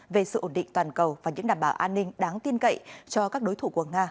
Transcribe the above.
về sự ổn định toàn cầu và những đảm bảo an ninh đáng tin cậy cho các đối thủ của nga